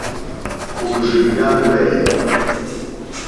Òrzèèyá hwɛ̂.